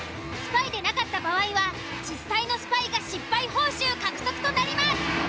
スパイでなかった場合は実際のスパイが失敗報酬獲得となります。